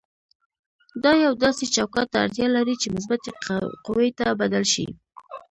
دا یو داسې چوکاټ ته اړتیا لري چې مثبتې قوې ته بدل شي.